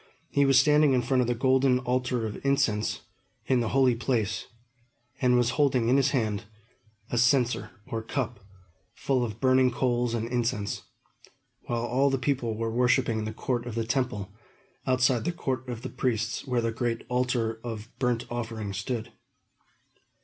He was standing in front of the golden altar of incense, in the Holy Place, and was holding in his hand a censer, or cup, full of burning coals and incense; while all the people were worshipping in the court of the Temple, outside the court of the Priests, where the great altar of burnt offering stood.